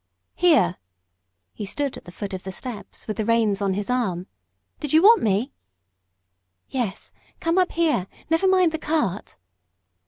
"Here" (he stood at the foot of the steps, with the reins on his arm); "did you want me?" "Yes. Come up here; never mind the cart."